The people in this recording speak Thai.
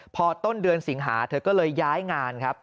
พอต้นเดือนสิงหาเธอก็เลยย้ายงานครับ